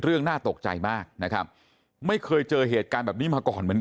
น่าตกใจมากนะครับไม่เคยเจอเหตุการณ์แบบนี้มาก่อนเหมือนกัน